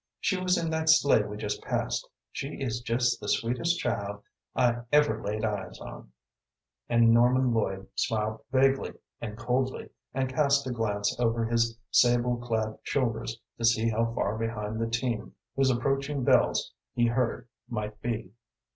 She was in that sleigh we just passed. She is just the sweetest child I ever laid eyes on," and Norman Lloyd smiled vaguely and coldly, and cast a glance over his sable clad shoulders to see how far behind the team whose approaching bells he heard might be.